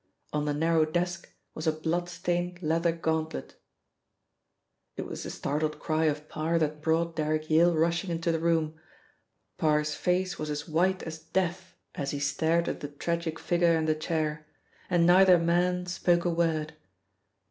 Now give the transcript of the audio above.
On the narrow desk was a blood stained leather gauntlet. It was the startled cry of Parr that brought Derrick Yale rushing into the room. Parr's face was as white as death as he stared at the tragic figure in the chair, and neither man spoke a word.